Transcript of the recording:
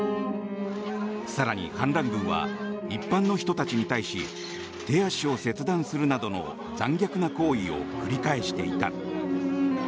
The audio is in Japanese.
更に反乱軍は一般の人たちに対し手足を切断するなどの残虐な行為を繰り返していた。